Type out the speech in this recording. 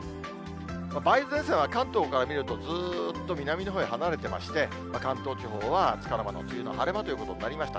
梅雨前線は、関東から見るとずーっと南のほうへ離れてまして、関東地方はつかの間の梅雨の晴れ間ということになりました。